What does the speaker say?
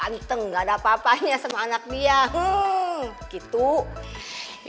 neng jalan lagi ya mbak ya